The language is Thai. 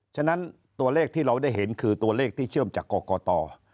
ฉะนั้นตัวเลขที่เราได้เห็นคือตัวเลขที่เชื่อมจากกรกต